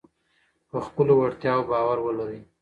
په خپلو وړتیاوو باور ولرئ.